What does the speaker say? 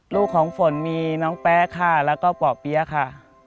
ลูกของฝนมีน้องแป๊ะค่ะแล้วก็ป่อเปี๊ยะค่ะ